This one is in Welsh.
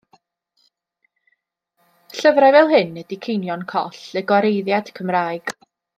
Llyfrau fel hyn ydi ceinion coll y gwareiddiad Cymraeg.